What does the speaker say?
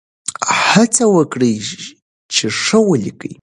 هڅه وکړئ چې ښه ولیکئ.